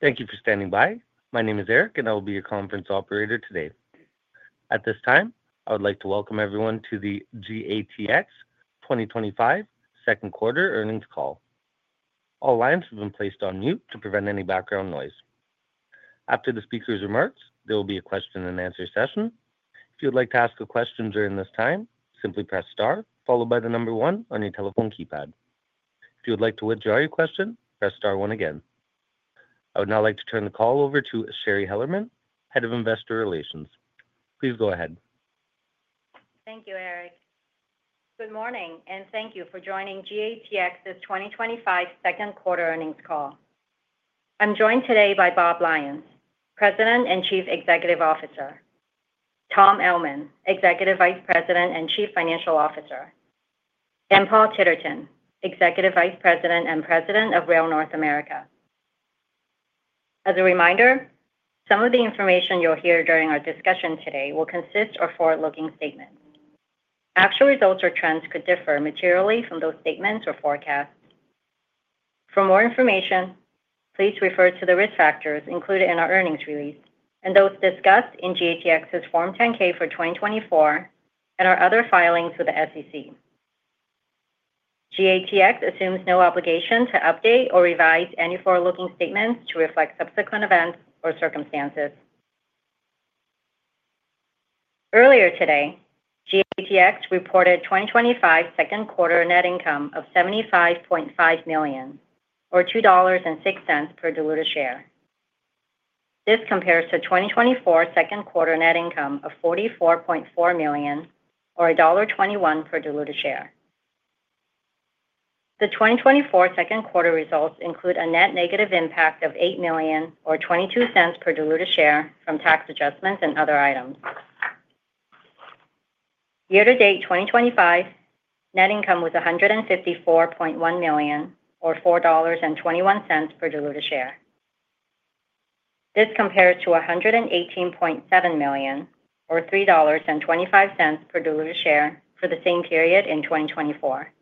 Thank you for standing by. My name is Eric and I will be your conference operator today. At this time I would like to welcome everyone to the GATX 2025 Second Quarter Earnings Call. All lines have been placed on mute to prevent any background noise. After the Speaker's remarks, there will be a question and answer session. If you'd like to ask a question during this time, simply press star followed by the number one on your telephone keypad. If you would like to withdraw your question, press star one again. I would now like to turn the call over to Shari Hellerman, Head of Investor Relations. Please go ahead. Thank you. Good morning and thank you for joining GATX's 2025 second quarter earnings call. I'm joined today by Bob Lyons, President and Chief Executive Officer, Tom Ellman, Executive Vice President and Chief Financial Officer, and Paul Titterton, Executive Vice President and President of Rail North America. As a reminder, some of the information you'll hear during our discussion today will consist of forward-looking statements. Actual results or trends could differ materially from those statements or forecasts. For more information, please refer to the risk factors included in our earnings release and those discussed in GATX's Form 10-K for 2024 and our other filings with the SEC. GATX assumes no obligation to update or revise any forward-looking statements to reflect subsequent events or circumstances. Earlier today, GATX reported 2025 Second Quarter net income of $75.5 million or $2.06 per diluted share. This compares to 2024 Second Quarter net income of $44.4 million or $1.21 per diluted share. The 2024 second quarter results include a net negative impact of $8 million or $0.22 per diluted share from tax adjustments and other items. Year to date, 2025 net income was $154.1 million or $4.21 per diluted share. This compares to $118.7 million or $3.25 per diluted share for the same period in 2024.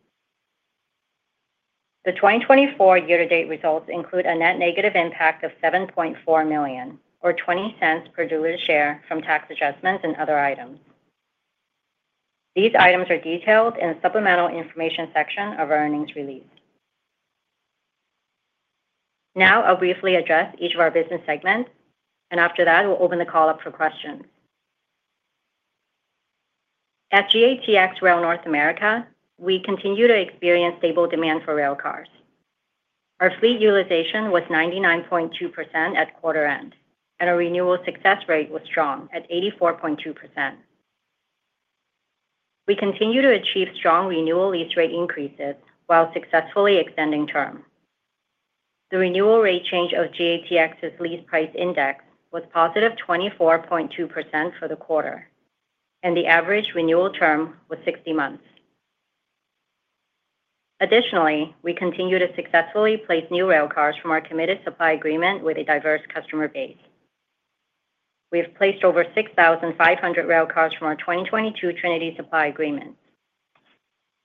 The 2024 year to date results include a net negative impact of $7.4 million or $0.20 per diluted share from tax adjustments and other items. These items are detailed in the Supplemental Information section of our earnings release. Now I'll briefly address each of our business segments and after that we'll open the call up for questions. At GATX Rail North America, we continue to experience stable demand for railcars. Our fleet utilization was 99.2% at quarter end and our renewal success rate was strong at 84.2%. We continue to achieve strong renewal lease rate increases while successfully extending term. The renewal rate change of GATX's Lease Price Index was positive 24.2% for the quarter and the average renewal term was 60 months. Additionally, we continue to successfully place new railcars from our committed supply agreement with a diverse customer base. We have placed over 6,500 railcars from our 2022 Trinity supply agreements.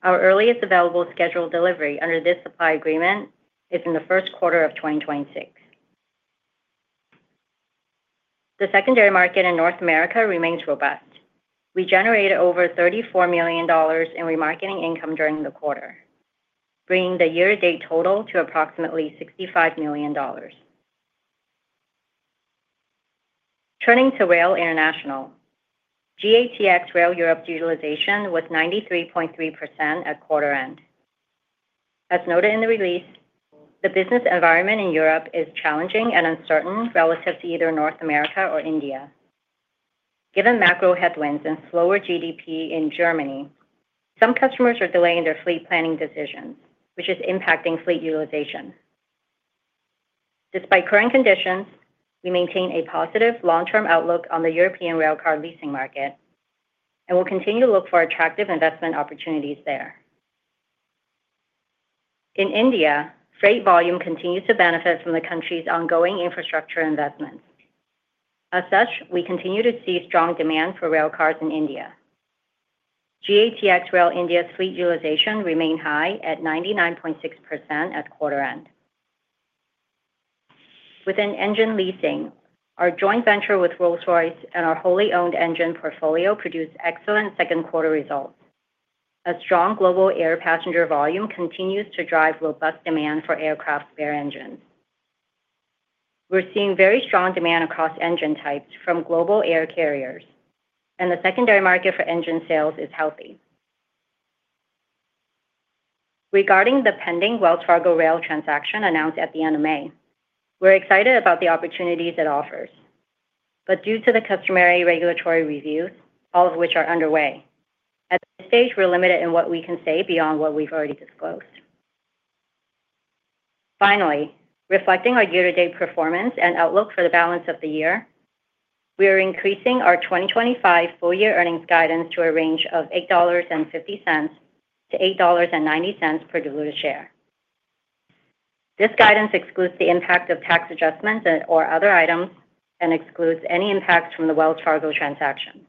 Our earliest available scheduled delivery under this supply agreement is in the first quarter of 2026. The Secondary Market in North America remains robust. We generated over $34 million in remarketing income during the quarter, bringing the year-to-date total to approximately $65 million. Turning to Rail International, GATX Rail Europe utilization was 93.3% at quarter end. As noted in the release, the business environment in Europe is challenging and uncertain relative to either North America or India. Given macroeconomic headwinds and slower GDP, in Germany, some customers are delaying their fleet planning decisions, which is impacting fleet utilization. Despite current conditions, we maintain a positive long-term outlook on the European railcar leasing market and will continue to look for attractive investment opportunities there. In India, freight volume continues to benefit from the country's ongoing infrastructure investments. As such, we continue to see strong demand for railcars in India. GATX Rail India's fleet utilization remained high at 99.6% at quarter end. Within engine leasing, our joint venture with Rolls-Royce and our wholly owned engine portfolio produced excellent second quarter results. A strong global air passenger volume continues to drive robust demand for aircraft engines. We're seeing very strong demand across engine types from global air carriers, and the Secondary Market for engine sales is healthy. Regarding the pending Wells Fargo Rail transaction announced at the end of May, we're excited about the opportunities it offers. Due to the customary regulatory reviews, all of which are underway at this stage, we're limited in what we can say beyond what we've already disclosed. Finally, reflecting our year-to-date performance and outlook for the balance of the year, we are increasing our 2025 full-year earnings guidance to a range of $8.50 to $8.90 per diluted share. This guidance excludes the impact of tax adjustments or other items and excludes any impacts from the Wells Fargo transaction,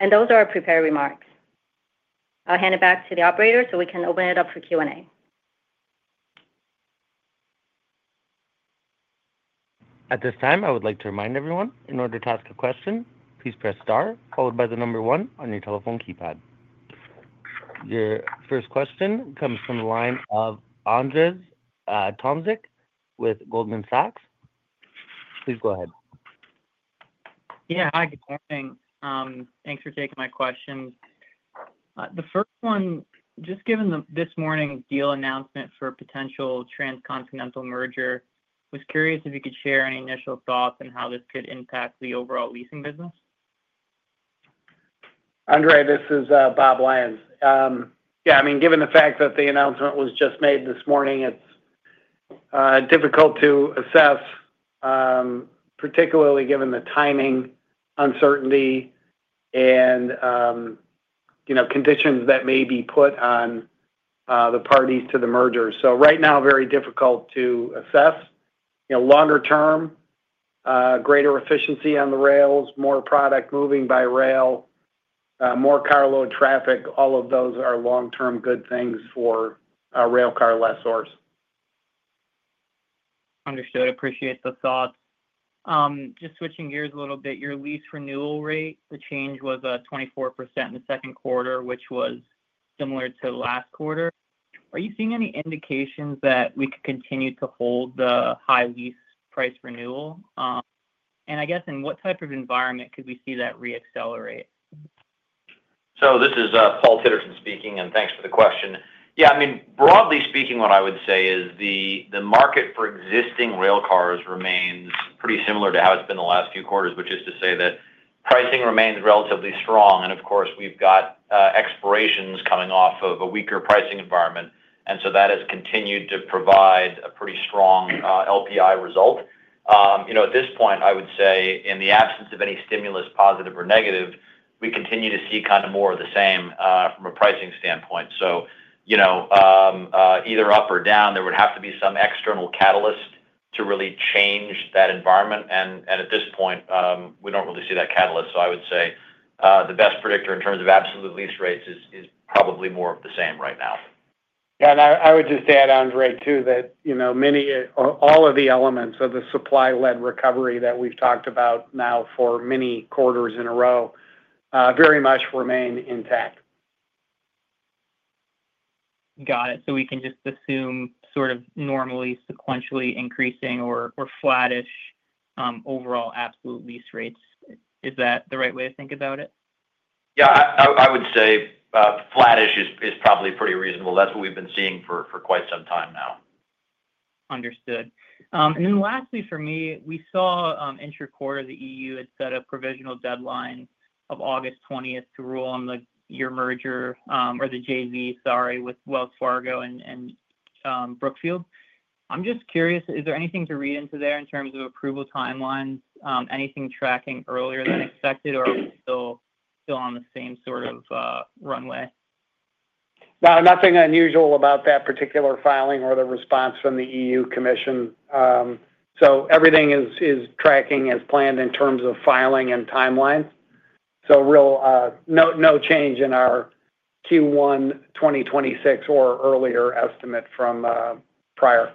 and those are our prepared remarks. I'll hand it back to the operator so we can open it up for Q&A. At this time, I would like to remind everyone in order to ask a question, please press star followed by the number one on your telephone keypad. Your first question comes from the line of Andrzej Tomczyk with Goldman Sachs. Please go ahead. Yeah, hi, good morning. Thanks for taking my questions. The first one, just given this morning, deal announcement for a potential transcontinental rail merger. Was curious if you could share any initial thoughts on how this could impact the overall leasing business. Andrzej, this is Bob Lyons. Yeah, I mean, given the fact that the announcement was just made this morning, it's difficult to assess, particularly given the timing uncertainty and, you know, conditions that may be put on the parties to the merger. Right now, very difficult to assess. You know, longer term, greater efficiency on the rails, more product moving by rail, more car load traffic, all of those are long term good things for railcar lessors. Understood. Appreciate the thoughts. Just switching gears a little bit. Your lease renewal rate, the change was 24% in the second quarter, which was similar to last quarter. Are you seeing any indications that we could continue to hold the high lease price renewal? In what type of environment could we see that reaccelerate? This is Paul Titterton speaking and thanks for the question. Broadly speaking, what I would say is the market for existing railcars remains pretty similar to how it's been the last few quarters, which is to say that pricing remains relatively strong. Of course, we've got expirations coming off of a weaker pricing environment, and that has continued to provide a pretty strong LPI result. At this point, I would say in the absence of any stimulus, positive or negative, we continue to see kind of more of the same from a pricing standpoint. Either up or down, there would have to be some external catalyst to really change that environment. At this point, we don't really see that catalyst. I would say the best predictor in terms of absolute lease rates is probably more of the same right now. I would just add, Andrzej, that all of the elements of the supply-led recovery that we've talked about now for many quarters in a row very much remain intact. Got it. We can just assume sort of normally sequentially increasing or flattish overall absolute lease rates. Is that the right way to think about it? Yeah, I would say flattish is probably pretty reasonable. That's what we've been seeing for quite some time now. Understood. Lastly for me, we saw intra quarter the EU had set a provisional deadline of August 20th to rule on your merger or the JV, sorry, with Wells Fargo and Brookfield. I'm just curious, is there anything to read into there in terms of approval, timelines, anything tracking earlier than expected or still on the same sort of runway. Nothing unusual about that particular filing or the response from the EU Commission. Everything is tracking as planned in terms of filing and timelines. There is really no change in our Q1 2026 or earlier estimate from prior.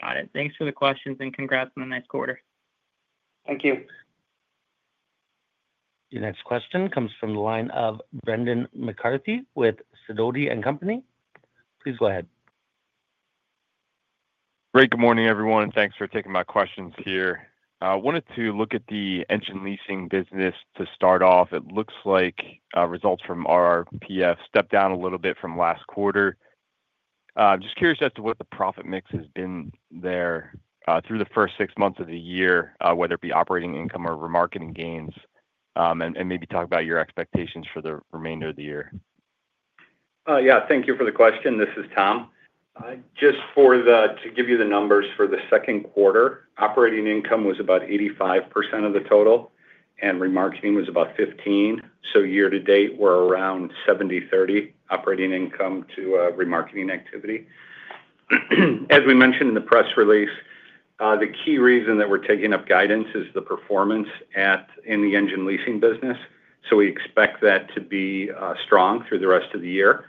Got it. Thanks for the questions and congrats on the next quarter. Thank you. Your next question comes from the line of Brendan McCarthy with Sidoti & Company. Please go ahead. Great. Good morning everyone. Thanks for taking my questions here. I wanted to look at the engine leasing business. To start off, it looks like results from stepped down a little bit from last quarter. Just curious as to what the profit mix has been there through the first six months of the year, whether it be operating income or remarketing gains, and maybe talk about your expectations for the remainder of the year. Yeah, thank you for the question. This is Tom. Just to give you the numbers. For the second quarter, operating income was about 85% of the total, and remarketing was about 15%. Year to date, we're around 70%, 30% operating income to remarketing activity. As we mentioned in the press release, the key reason that we're taking up guidance is the performance in the engine leasing business. We expect that to be strong through the rest of the year.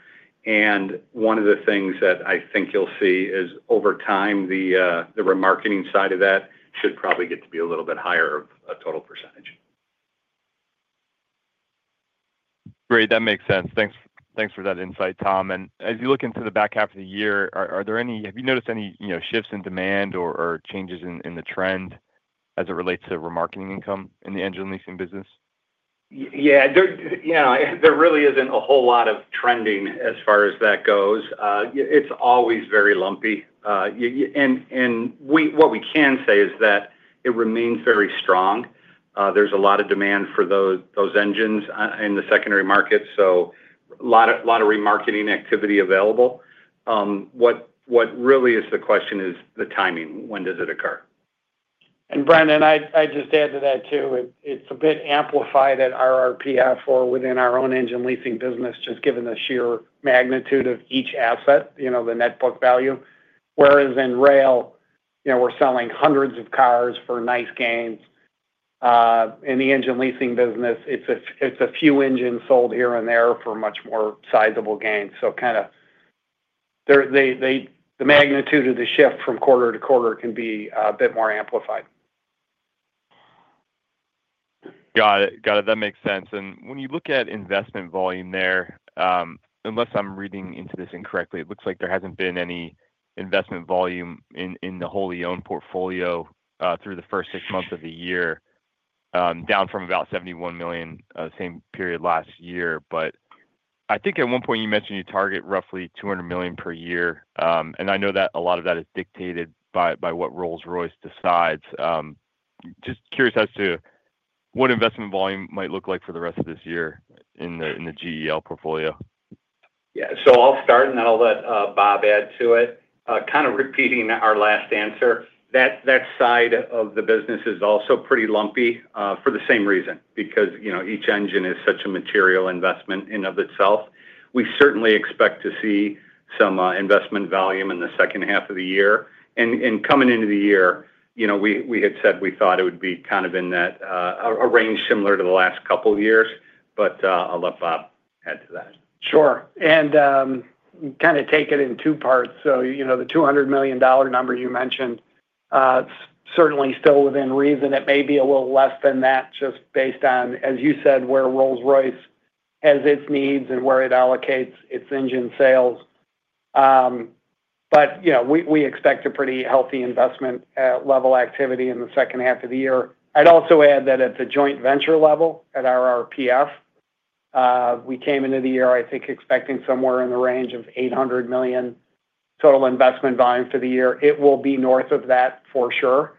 One of the things that I think you'll see is over time, the remarketing side of that should probably get to be a little bit higher, a total percentage. Great. That makes sense. Thanks for that insight, Tom. As you look into the back half of the year, are there any, have you noticed any shifts in demand or changes in the trend as it relates to remarketing income in the engine leasing business? Yeah, there really isn't a whole lot of trending as far as that goes. It's always very lumpy, and what we can say is that it remains very strong. There's a lot of demand for those engines in the Secondary Market, so a lot of remarketing activity available. What really is the question is the timing. When does it occur? Brendan, I just add to that too. It's a bit amplified at RRPF or within our own engine leasing business, just given the sheer magnitude of each asset, the net book value. Whereas in rail we're selling hundreds of cars for nice gains, in the engine leasing business, it's a few engines sold here and there for much more sizable gains. Kind of. The magnitude of the shift from quarter to quarter can be a bit more amplified. Got it, got it. That makes sense. When you look at investment volume there, unless I'm reading into this incorrectly, it looks like there hasn't been any investment volume in the wholly owned portfolio through the first six months of the year, down from about $71 million same period last year. I think at one point you mentioned you target roughly $200 million per year. I know that a lot of that is dictated by what Rolls-Royce decides. Just curious as to what investment volume might look like for the rest of this year in the GEL portfolio. I'll start and then I'll let Bob add to it. Kind of repeating our last answer, that side of the business is also pretty lumpy for the same reason because, you know, each engine is such a material investment in of itself. We certainly expect to see some investment volume in the second half of the year. Coming into the year, you know, we had said we thought it would be kind of in that range similar to the last couple years. I'll let Bob add to that. Sure. Kind of take it in two parts. The $200 million number you mentioned is certainly still within reason; it may be a little less than that just based on, as you said, where Rolls-Royce has its needs and where it allocates its engine sales. We expect a pretty healthy investment level activity in the second half of the year. I'd also add that at the joint venture level at our RRPF, we came into the year, I think, expecting somewhere in the range of $800 million total investment volume for the year. It will be north of that for sure.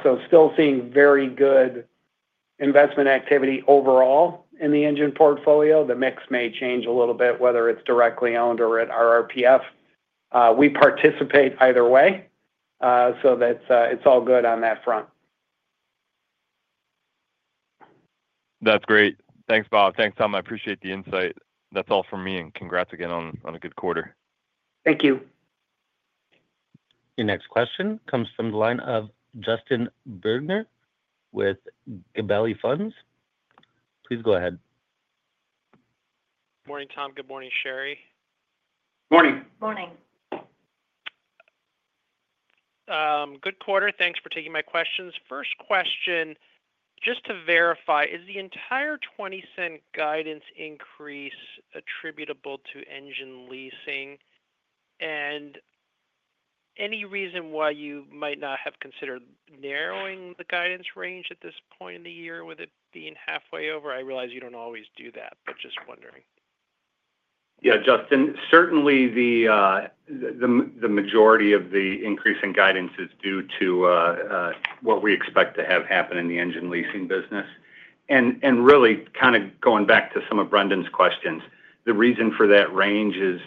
Still seeing very good investment activity overall in the engine portfolio. The mix may change a little bit. Whether it's directly owned or at RRPF, we participate either way. It's all good on that front. That's great. Thanks, Bob. Thanks, Tom. I appreciate the insight. That's all from me, and congrats again on a good quarter. Thank you. Your next question comes from the line of Justin Bergner with Gabelli Funds. Please go ahead. Morning, Tom. Good morning, Shari. Morning. Morning. Good quarter. Thanks for taking my questions. First question, just to verify, is the entire $0.20 guidance increase attributable to engine leasing, and any reason why you might not have considered narrowing the guidance range at this point in the year with it being halfway over? I realize you don't always do that, but just wondering. Yeah, Justin, certainly the majority of the increase in guidance is due to what we expect to have happen in the engine leasing business. Really, kind of going back to some of Brendan's questions, the reason for that range is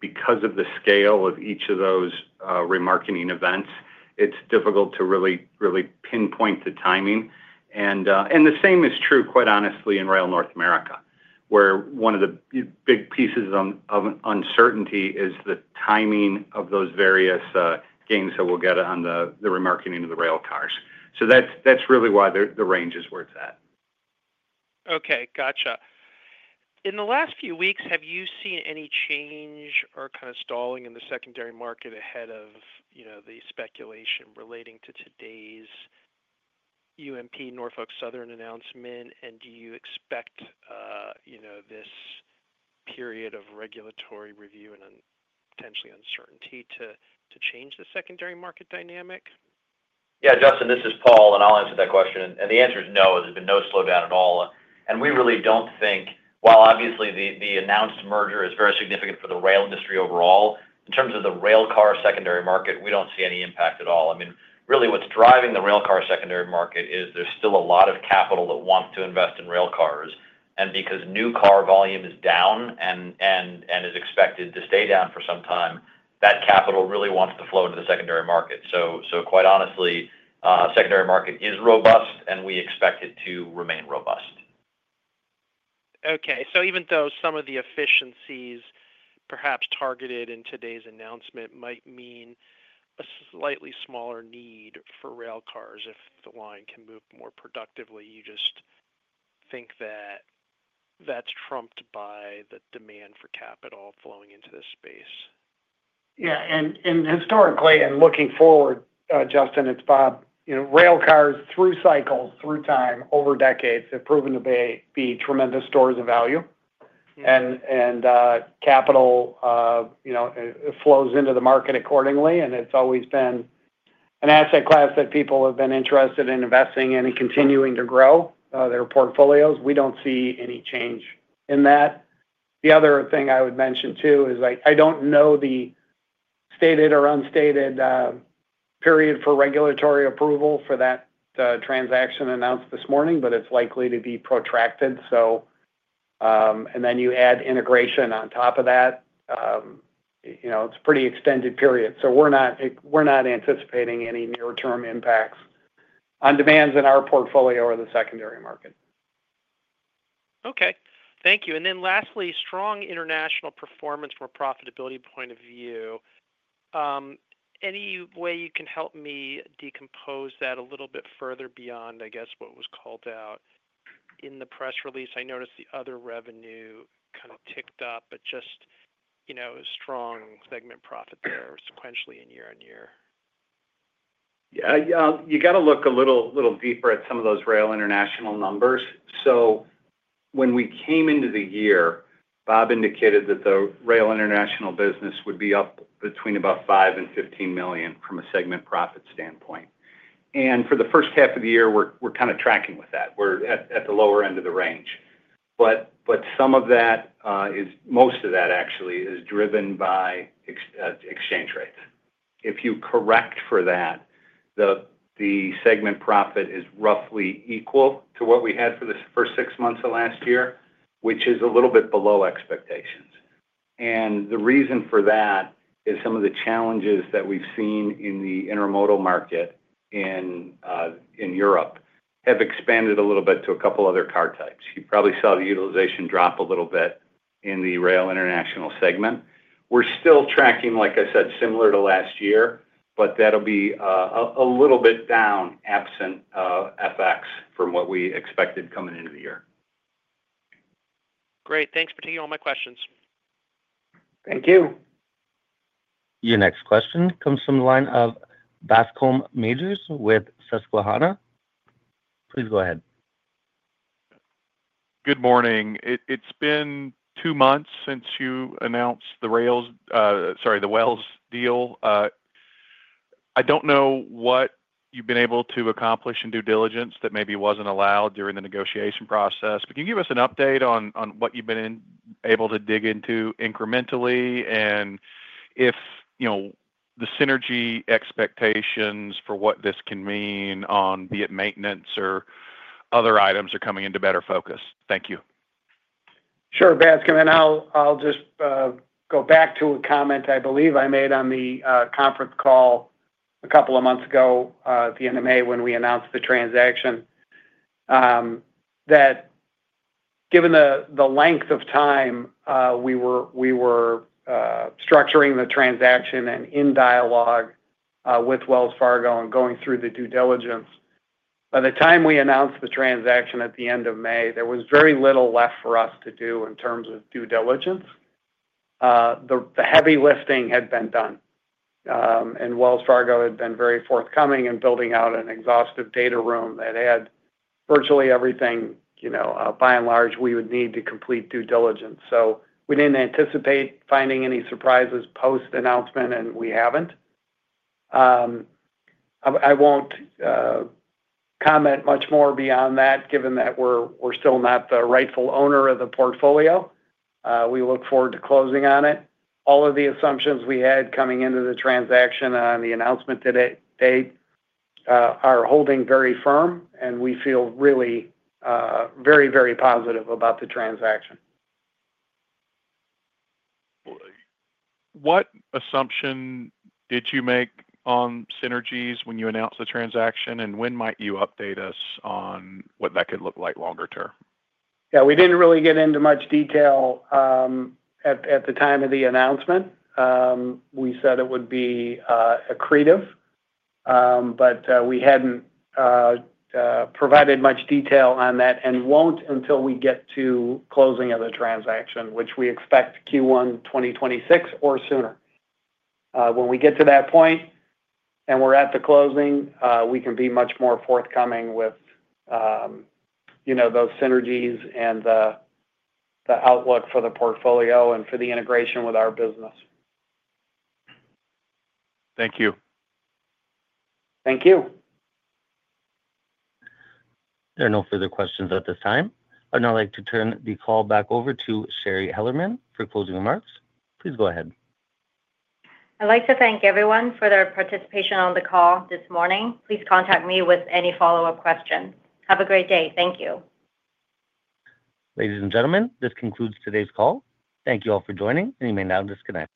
because of the scale of each of those remarketing events, it's difficult to really pinpoint the timing. The same is true, quite honestly, in Rail North America, where one of the big pieces of uncertainty is the timing of those various gains that we'll get on the remarketing of the railcars. That's really why the range is where it's at. Okay, gotcha. In the last few weeks, have you seen any change or kind of stalling in the Secondary Market ahead of the speculation relating to today's UP Norfolk Southern announcement? Do you expect, you know, this period of regulatory review and potentially uncertainty to change the Secondary Market dynamic? Yeah, Justin, this is Paul, I'll answer that question. The answer is no. There's been no slowdown at all. We really don't think, while obviously the announced merger is very significant for the rail industry overall, in terms of the railcar Secondary Market, we don't see any impact at all. I mean, really, what's driving the railcar Secondary Market is there's still a lot of capital that wants to invest in railcars, and because new car volume is down and is expected to stay down for some time, that capital really wants to flow into the Secondary Market. Quite honestly, Secondary Market is robust and we expect it to remain robust. Even though some of the efficiencies perhaps targeted in today's announcement might mean a slightly smaller need for railcars if the line can move more productively, you just think that that's trumped by the demand for capital flowing into this space. Yeah. Historically, and looking forward, Justin, it's Bob. Railcars through cycles, through time, over decades, have proven to be tremendous stores of value, and capital flows into the market accordingly. It's always been an asset class that people have been interested in investing in and continuing to grow their portfolios. We don't see any change in that. The other thing I would mention too is, I don't know the stated or unstated period for regulatory approval for that transaction announced this morning, but it's likely to be protracted. You add integration on top of that. It's a pretty extended period. We're not anticipating any near term impacts on demands in our portfolio or the Secondary Market. Thank you. Lastly, strong international performance from a profitability point of view. Any way you can help me decompose that a little bit further beyond what was called out in the press release? I noticed the other revenue kind of ticked up, but just strong segment profit there sequentially in year on year. Yeah, you got to look a little deeper at some of those Rail International numbers. When we came into the year, Bob indicated that the Rail International business would be up between about $5 million and $15 million from a segment profit standpoint. For the first half of the year, we're kind of tracking with that. We're at the lower end of the range. Most of that actually is driven by exchange rates. If you correct for that, the segment profit is roughly equal to what we had for the first six months of last year, which is a little bit below expectations. The reason for that is some of the challenges that we've seen in the intermodal market in Europe have expanded a little bit to a couple other car types. You probably saw the utilization drop a little bit in the Rail International segment. We're still tracking, like I said, similar to last year, but that'll be a little bit down, absent FX, from what we expected coming into the year. Great. Thanks for taking all my questions. Thank you. Your next question comes from the line of Bascome Majors with Susquehanna. Please go ahead. Good morning. It's been two months since you announced. The Wells deal. I don't know what you've been able to accomplish in due diligence that maybe wasn't allowed during the negotiation process, but can you give us an update on what you've been able to dig into incrementally, and if you know the synergy expectations for what this can mean on, be it maintenance or other items, are coming into better focus. Thank you. Sure. Bascome. I'll just go back to a comment I believe I made on the conference call a couple of months ago at the end of May, when we announced the transaction, that given the length of time we were structuring the transaction and in dialogue with Wells Fargo and going through the due diligence, by the time we announced the transaction at the end of May, there was very little left for us to do in terms of due diligence. The heavy lifting had been done and Wells Fargo had been very forthcoming in building out an exhaustive data room that had virtually everything, you know, by and large, we would need to complete due diligence. We didn't anticipate finding any surprises post announcement and we haven't. I won't comment much more beyond that, given that we're still not the rightful owner of the portfolio. We look forward to closing on it. All of the assumptions we had coming into the transaction on the announcement today are holding very firm and we feel really very, very positive about the transaction. What assumption did you make on synergies when you announced the transaction, and when might you update us on what that could look like longer term? Yeah, we didn't really get into much detail at the time of the announcement. We said it would be accretive, but we hadn't provided much detail on that and won't until we get to closing of the transaction, which we expect Q1 2026 or sooner. When we get to that point and we're at the closing, we can be much more forthcoming with those synergies and the outlook for the portfolio and for the integration with our business. Thank you. Thank you. There are no further questions at this time. I'd now like to turn the call back over to Shari Hellerman for closing remarks. Please go ahead. I'd like to thank everyone for their participation on the call this morning. Please contact me with any follow up questions. Have a great day. Thank you. Ladies and gentlemen, this concludes today's call. Thank you all for joining, and you may now disconnect.